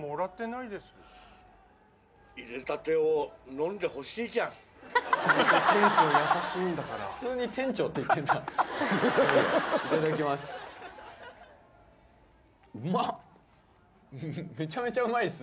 いただきます。